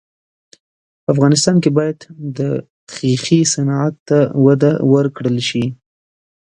په افغانستان کې باید د ښیښې صنعت ته وده ورکړل سي.